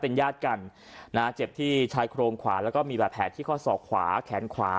ญาติกันนะเจ็บที่ชายโครงขวาแล้วก็มีบาดแผลที่ข้อศอกขวาแขนขวา